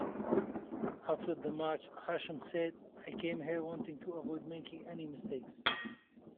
After the match, Hachem said, I came here wanting to avoid making any mistakes.